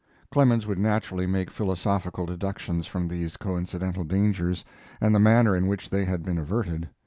Clemens would naturally make philosophical deductions from these coincidental dangers and the manner in which they had been averted.